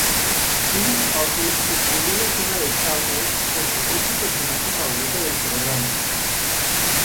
Bill Oakley escribió la escena de Chalmers porque es su personaje favorito del programa.